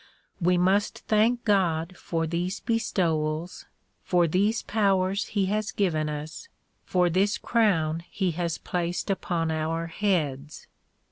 AVe must thank God for these bestowals, for these powere he has given us, for this crown he has placed upon our heads.